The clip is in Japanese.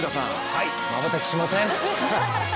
はい、まばたきしません。